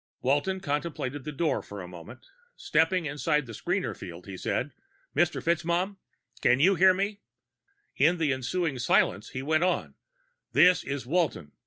Walton contemplated the door for a moment. Stepping into the screener field, he said, "Mr. FitzMaugham? Can you hear me?" In the ensuing silence he went on, "This is Walton.